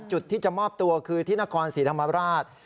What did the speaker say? จุดที่จะมอบตัวคือที่นครศรีธรรมราช